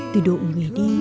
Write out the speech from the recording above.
từ độ người đi